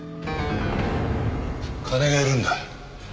金がいるんだ。